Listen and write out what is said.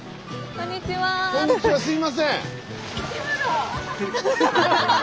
こんにちはすいません。